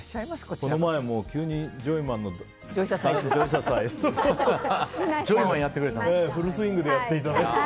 この前も、急にジョイマンのジョイササイズをフルスイングでやっていただいて。